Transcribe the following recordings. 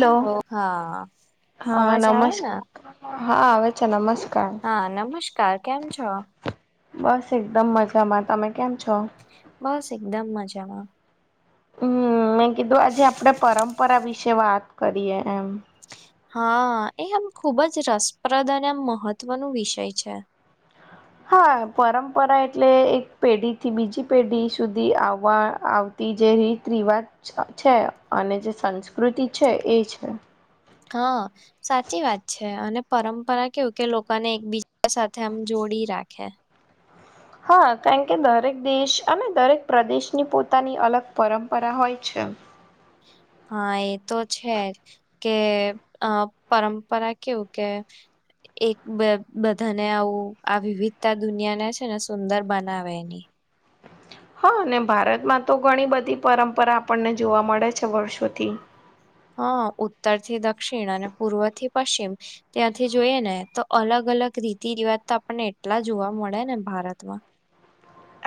Hello હાઆ! હા અવાજ આવે નમસ્ ને? હા આવે છે નમસ્કાર હા નમસ કેમ છો? બસ એકદમ મજામાં. તમે કેમ છો? બસ એકદમ મજામાં. હમમ મેં કીધું આજે આપડે પરંપરા વિશે વાત કરીએ એમ. હા, એ આમ ખુબ જ રસપ્રદ અને એમ મહત્વનું વિષય છે. હા, પરંપરા એટલે એક પેઢી થી બીજી પેઢી સુધી આવવા આવતી જે રીત રિવાજ છે. અને જે સંસ્કૃતિ છે. એ છે. હા સાચી વાત છે. અને પરંપરા કેવું કે, લોકોને એકબીજા સાથે આમ જો ડી રાખે હા કારણ કે દરેક દેશ, અને દરેક પ્રદેશની પોતાની અલગ પરંપરા હોય છ એમ. હા એ તો છે જ. કે અ પરંપરા કેવું કે એક બ બધાને આવું આ વિવિધતા દુનિયાને છે ને સુંદર બનાવે એની. હા ને ભારતમાં તો ઘણી બધી પરંપરા આપણને જોવા મળે છે વર્ષોથી. હા ઉત્તર થી દક્ષિણ અને પૂર્વ થી પશ્ચિમ. ત્યાંથી જોઈએ ને તો અલગ અલગ રીતિ રિવાજ તો આપણને એટલા જોવા મળે ને ભારતમાં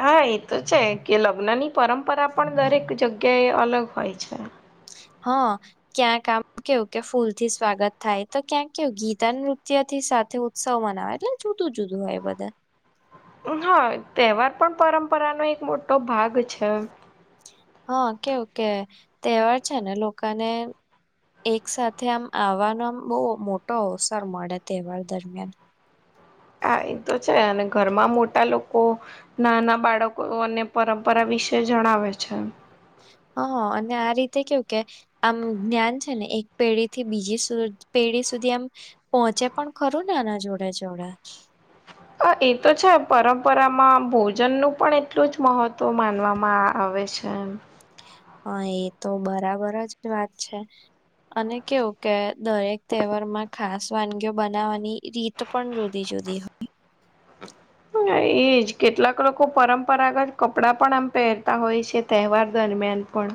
હા એ તો છે. કે લગ્ન ની પરંપરા પણ દરેક જગ્યાએ અલગ હોય છે. હા ક્યાંક આમ કેવું કે ફૂલ થી સ્વાગત થાય. તો ક્યાંક કેવું ગીતા નૃત્ય થી સાથે ઉત્સવ મનાવે. એટલે જુદું જુદું હોય એ બધા. હા તહેવાર પણ પરંપરાનો એક મોટો ભાગ છે. હા કેવું કે તહેવાર છે ને લોકોને એક સાથે આમ આવવાનો આમ બહુ મોટો અવસર મળે તહેવાર દરમિયાન હા એ તો છ છે અને ઘરમાં મોટા લોકો, નાના બાળકો અને પરંપરા વિશે જણાવે છે. હા અને આ રીતે કેવું કે આમ જ્ઞાન છે ને એક પેઢી થી બીજી સુર પેઢી સુધી આમ પહોંચે પણ ખરું ને આના જોડે જોડે હા એ તો છે. પરંપરામાં ભોજન નું પણ એટલું જ મહત્વ માનવામાં આવ આવે છે આમ. હા એ તો બરાબર જ વાત છે. અને કેવું કે દરેક તહેવારમાં ખાસ વાનગીઓ બનાવવાની રીત પણ જુદી છ બધી હોઈ હ હને એજ કેટલાક લોકો પરંપરાગત કપડાં પણ આમ પહેરતા હોય છે તહેવાર દરમિયાન. એલપણ.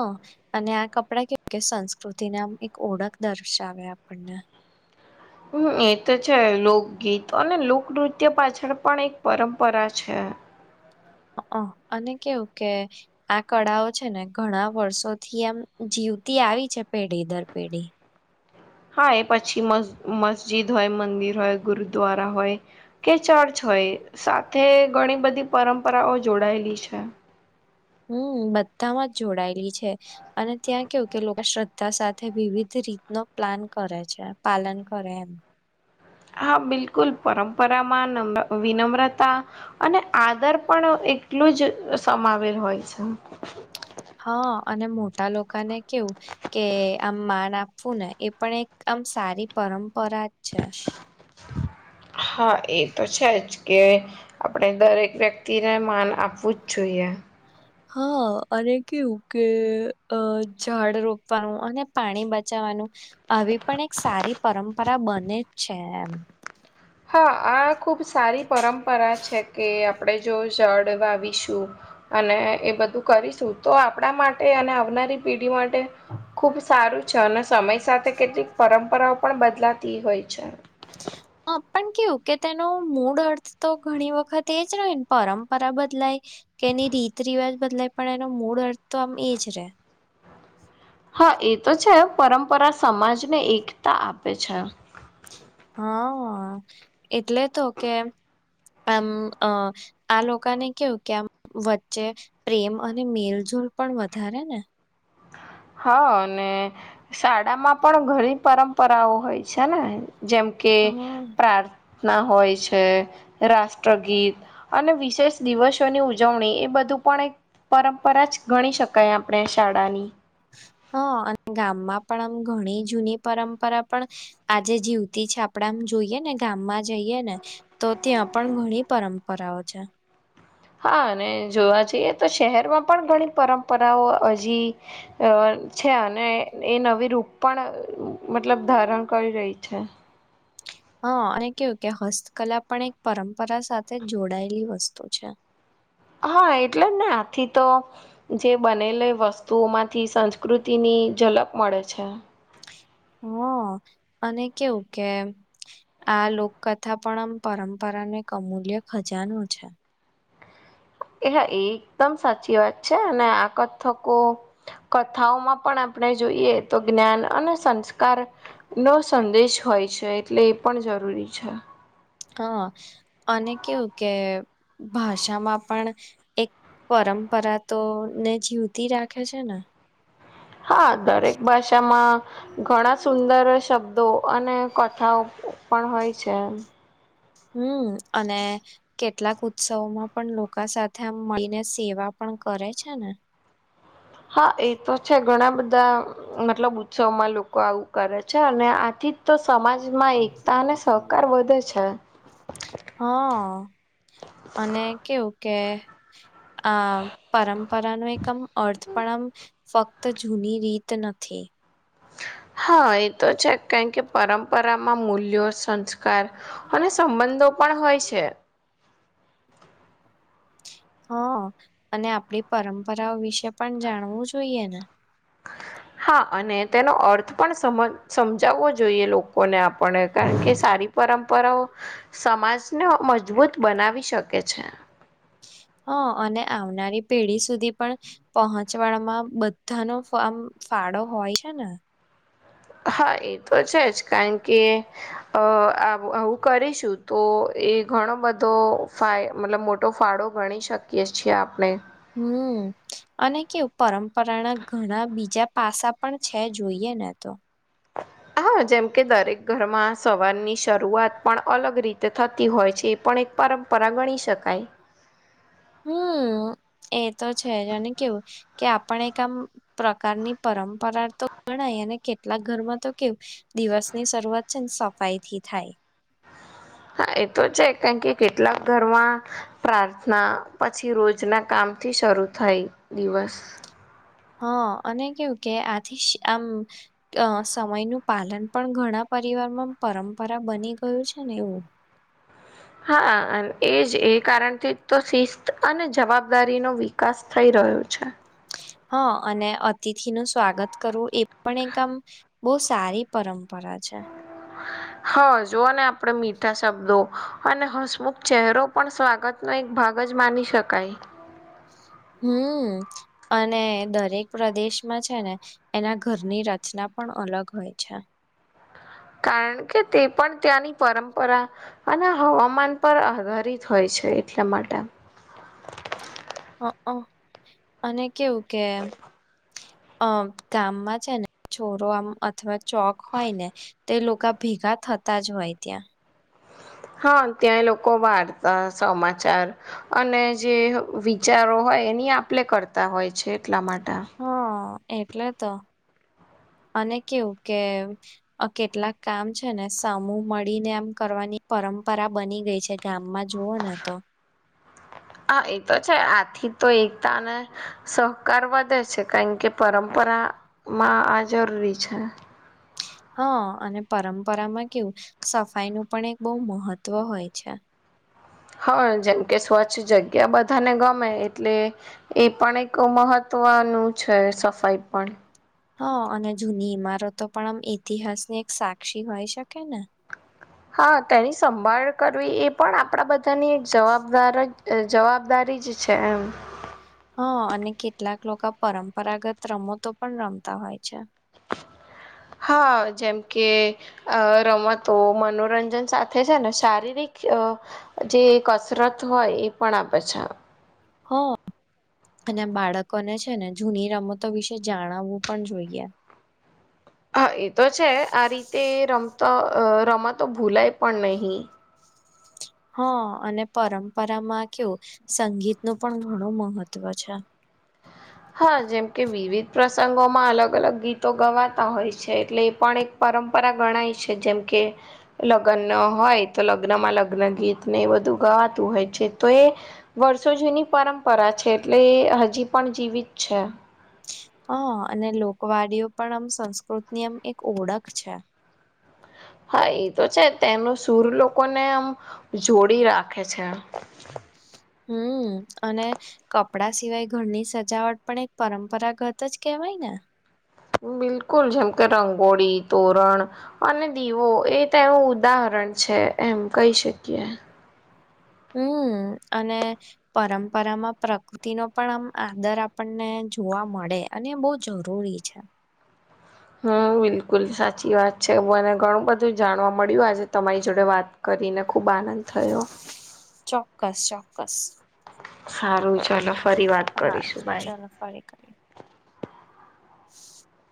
અ અને આ કપડા કેવું કે સંસ્કૃતિને આમ એક ઓળખ દર્શાવે આપણને. હમ્મ એ તો છે. લોકગીત અને લોકનૃત્ય પાછળ પણ એક પરંપરા છે. હ [unintelligible] અહ અને કેવું કે, આ કળાઓ છે ને ઘણા વર્ષો થી આમ જીવ તી આવી છે પેઢી દર પેઢી. હા એ પછી મસ મસ્જિદ હોય, મંદિર હોય, ગુરુદ્વારા હોય, કે ચર્ચ હોય હોય સાથે ઘણી બધી પરંપરાઓ જોડાયેલી છે. હમ્મ બધામાં જ જોડાયેલી છે. અને ત્યાં કેવું કે લોકો શ્રદ્ધ ધા સાથે વિવિધ રીત નો પ્લાન કરે છે. પાલન કરે એમ હા બિલકુલ પરંપરામાં નમ વિનમ્રતા અને આદર પણ એટલું જ સમાવેલ હોય છે. હા. અને મોટા લોકોને કેવું, કે આમ માન આપવું ને એ પણ એક આ આમ સારી પરંપરા જ છે. હા એ તો છે જ. કે આપણે દરેક વ્યક્તિને માન આપવું જ જોઈએ. હા અને કેવું કે અ ઝાડ રોપવાનું અને પાણી બચાવ વાનુ આવી પણ એક સારી પરંપરા બને જ છે એમ. હા, આ ખૂબ આપડે જો ઝાડ વાવીશું અને એ બધું કરીશું તો આપણા માટે અને આ લી પેઢી માટ ટે ખુબ સારું છે. અને સમય સાથે કેટલીક પરંપરાઓ પણ બદલાતી હોય છે. [inaudible] હા પણ કેવું, કે તેનો મૂળ અર્થ તો ઘણી વખત એ જનને પરંપરા બદલાય કે એની રીત રિવાજ બદલાય. પણ એનો મૂળ અર્થ તો આમ એજ રે. હા એ તો છે પરંપરા સમાજને એકતા આપે છે. હા એટલે તો કે. આમ અ આ લોકોને કેવું કે આમ વચ્ચે પ્રેમ અને મેલ જો. પણ વધારે ને. હા ને શાળામાં પણ ઘણી પરંપરાઓ હોય છે ને. જેમ કે હા પ્રાર. ના હોય છે રાષ્ટ્રગીત અને વિશેષ દિવસોની ઉજવણી એ બધી. તું પણ એક પરંપરા જ ગણી શકાય આપણે શાળાની. હા અને ગામમાં પણ આમ ઘણી જૂની પરંપરા પણ આજે જીવતી છે આપ. આપડા જોઈએ ને ગામમાં જ. જઈએ ને તો ત્યાં પણ ઘણી પરંપરાઓ છે. હા અને જોવા જઈએ તો શહેરમાં પણ ઘણી પરંપરાઓ હજી. અ છે અને એ નવી રૂપ પણ મતલબ ધારણ કરી રહી છે. હા અને કેવું કે હસ્તકલા પણ એક પરંપરા સાથે જોડાયેલી વસ્તુ છે. હા એટલે જ ને આથી તો જે બનેલી વસ્તુઓમાંથી સંસ્કૃતિની. ઝલપ મળે છે. હ [unintelligible] હા અને કેવું કે આ લોકકથા પણ આમ પરંપરા ને કમ. મૂલ્ય ખજાનો છે. એ હા એકદમ સાચી વાત છે અને આ કથકો કથાઓમાં પણ આપણે જોઈએ તો જ્ઞાન અને સંસ્કાર નો સંદેશ હો હોય છે એટલે એ પણ જરૂરી છે હા અને કેવું કે ભાષામાં પણ એક પરંપરા તો ને જીવતી રાખે છે ને હા દરેક ભાષામાં ઘણા સુંદર શબ્દો અને કથાઓ પણ હોય છે હમ અને કેટલાક ઉત્સવોમાં પણ લોકા સાથે મળીને સેવા પણ કરે છે ને હા એ તો છે ઘણા બધા મતલબ ઉત્સવમાં લોકો આવું કરે છે અને આથી જ તો સમાજમાં એકતા અને સહકાર વધે છે હા અને કેવું કે આ પરંપરા પરપરા ન એક આમ અર્થ પણ આમ ફક્ત જૂની રીત નથી [inaudible] હા એ તો છે કારણ કે પરંપરામાં મૂલ્યો સંસ્કાર અને સંબંધો પણ હોય છે હ અને આપડી પરંપરાઓ વિશે પણ જાણવું જોઈએ ને હા અને તેનો અર્થ પણ સમજ સમજાવવો જોઈએ લોકોને આપણે પણ કારણ કે સારી પરં પર ઓ સમાજને મજબૂત બનાવી શકે છે હા અને આવનારી પેઢી સુધી પણ પહોંચવાડમાં બધા ન ફમ ફાળો હોય છે ને હા એ તો છે જ કારણ કે અ આવું કરીશું તો એ ઘણો બધો ફાય મતલબ મોટો ફાળો ગણી શકીએ છીએ આપણે હમ અને કેવું પરંપરાના ઘણા બીજા પાસા પણ છે જોઈએ ને તો [unintelligible] હા જેમકે દરેક ઘરમાં સવારની શરૂઆત પણ અલગ રીતે થતી હોય છે એ પણ એક પરંપરા ગણી શકાય હમ્મ એ તો છે જ અને કેવું કે આપણે એક આમ પ્રકારની પરંપરા તો ગણાય અને કેટલાક ઘરમાં તો કેવ દિવસ ની શરૂઆત છે ને સફાઈ થી થાય હ હા, એ તો છે, કારણ કે કેટલાક ઘરમાં પ્રાર્થના પછી રોજના કામથી શરૂ, થાય દિવસ હા, અને કેવું, કે આથી આમ સમયનુંું પાલન પણ ઘણા. પરિવારમાં પરંપરા બની ગયું છે, ને એવું. [unintelligible] હા, એજ એ કારણથી, તો શિસ્ત અને જવાબદારીનોો વિકાસ થઈ, રહ્યો છે. ત્ [inaudible] હા, અને અતિથિનુ સ્વાગત કરવું, એ પણ એક આમ બહુ સારી પરંપરા અચછા. હા, જોઓ ને આપડે મીઠા શબ્દો અને હસમુખ ચહેરો, પણ સ્વાગતનો એક ભાગ જ માની શકાય હમ, અને દરેક પ્રદેશમાં છેને, એના ઘરની રચના પણ અલગ, હોય છે. કારણ કે, તે પણ ત્યાંની પરંપરા અને હવામાન, પર આધારિત હોય છે છે, એટલા માટે હ, અને કેવું કે અ ગામમાં છેને, છોરો આમ અથવા ચોક હોય ને તે લોકો ભેગા થતા જ હોય, ત્યાં હા, ત્યાં લોકો વાારતા સમાચાર અને જે વિચારો હો એની આપલે કરતા હોય છે, એટલા માટે હા એટલે તો અને કેવું કે કેટલાક કામ છેને, સમૂહ મળીને આમ કરવાનું પરંપરા બની ગઈ છે, ગામમાં જુઓ ને તો હા, એ તો છે, આથી તો એકતા અને સહકાર વધે છે, કારણ કે પરંપરામા આજ પીછા હા, અને પરંપરામાં કેવું સફાઈનુ પણ એક બહુ મહત્વ હોય, છે. હા, જેમ કે સ્વચ્છ જગ્યા, બધાને ગમે એટલે એ પણ એક મહત્વ વાનું છે, સફાઈ પણ હા, અને જૂની ઈમારતો પણ આમ ઇતિહાસ, ની એક સાક્ષી હોય, શકે ને હા, તેની સંભાળ કરવી, એ પણ આપણા બધાની એક જવાબદાર જ જવાબદારી જ છે, એમ હા, અને કેટલાક લોકો પરંપરાગત રમતો પણ રમતા હોય, છે હા, જેમ કે અ રમતો મનોરંજન સાથે છેને, શારીરિક જે કસરત હોય, એ પણ આપેછા હ. અને બાળકોને છેને, જૂની રમતો વિશે જાણાવવું પણ જોઈએ હા, એ તો છે, આ રીતે રમતા રમાતો ભૂલાય પણ નહી. હા, અને પરંપરામાં કેવું સંગીતનુ પણ ઘણું મહત્વ છે. હ હા, જેમ કે વિવિધ પ્રસંગોમાં અલગ અલગ ગીતો ગવાતા હોય છે, એટલે એ પણ એક પર. પરંપરા ગણાય છે, જેમ કે લગ્ન હોય, તો લગ્નમા લગ્ન ગીત, ને એ બધું ગવાતું હોય છે, તો એ વર્ષો જુની પરંપરા છે, એટલે એ હજી પણ જીવિત છે હા, અને લોકવાડીઓ પણ આમ સંસ્કૃતની આમ એક ઓળખ છે હા, એ તો છે, તેનો સુૂર લોકોને આમ જોડી રાખે છે હમ, અને કપડા સિવાય ઘરની સજાવટ પણ એક પરંપરાગત જ કેમ હોયને. બિલકુલ જેમ કે રંગોળી, તોરણ અને દીવો એ તો એવું ઉદાહરણ પણ છે એમ કહી શકીએ. હમમ અને પરંપરામાં પ્રકૃતિ નો પણ આમ આદર આપણને જોવા મળે અને બો જરૂરી છે. હમમ બિલકુલ સાચી વાત છે. મને ઘણું બધું જાણવા મળ્યું આજે તમારી જોડે વાત કરી કરીને ખૂબ આનંદ થયો. ચોક્કસ ચોક્કસ. હારું ચલો ફરી વાત હા કરીશું બાય. ચલો ફરી કરીએ. [inaudible]